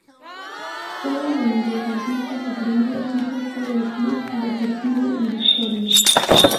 Juega de mediocampista, su primer equipo fue el Club Deportivo Victoria.